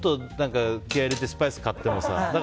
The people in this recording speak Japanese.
ちょっと気合を入れてスパイス買ってもさ。